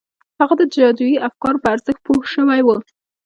هغه د جادویي افکارو په ارزښت پوه شوی و